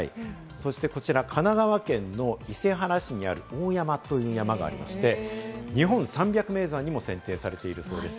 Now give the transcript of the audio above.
そしてこちら神奈川県の伊勢原市にある大山という山がありまして、日本三百名山にも選定されているそうです。